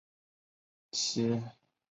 奇鳗为康吉鳗科奇鳗属的鱼类。